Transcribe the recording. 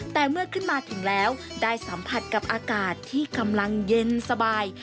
แต่เมื่อขึ้นมาถึงแล้วได้สัมผัสกับอากาศที่กำลังเย็นสบาย